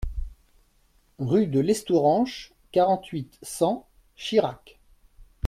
Rue de l'Estouranche, quarante-huit, cent Chirac